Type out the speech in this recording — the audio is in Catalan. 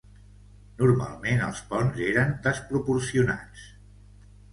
Normalment els ponts eren desproporcionats.